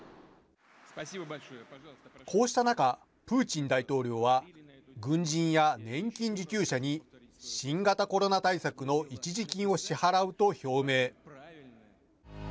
こうした中、プーチン大統領は軍人や年金受給者に新型コロナ対策の一時金を支払うと表明。